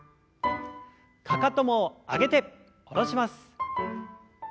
かかとも上げて下ろします。